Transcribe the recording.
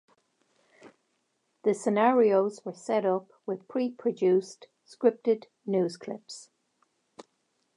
The scenarios were set up with pre-produced scripted news clips.